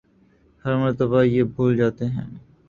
ہر مرتبہ یہ بھول جاتے ہیں